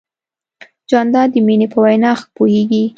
جانداد د مینې په وینا ښه پوهېږي.